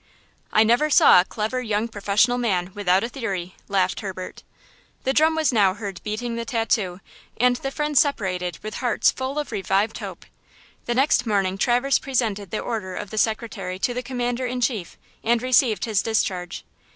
"I never saw a clever young professional man without a theory!" laughed Herbert. The drum was now heard beating the tattoo, and the friends separated with hearts full of revived hope. The next morning, Traverse presented the order of the Secretary to the Commander in Chief and received his discharge.